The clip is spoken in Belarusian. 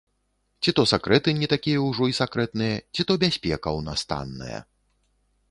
Ці то сакрэты не такія ўжо і сакрэтныя, ці то бяспека ў нас танная.